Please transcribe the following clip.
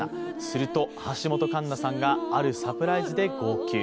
すると橋本環奈さんが、あるサプライズで号泣。